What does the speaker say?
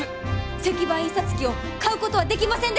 石版印刷機を買うことはできませんでしょうか？